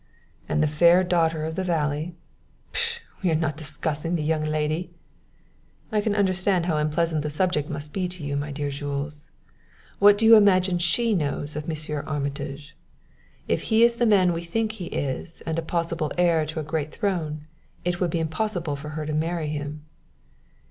"And the fair daughter of the valley " "Pish! We are not discussing the young lady." "I can understand how unpleasant the subject must be to you, my dear Jules. What do you imagine she knows of Monsieur Armitage? If he is the man we think he is and a possible heir to a great throne it would be impossible for her to marry him."